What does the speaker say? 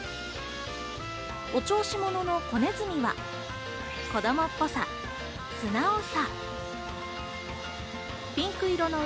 お調子者のこねずみは子供っぽさ、素直さ。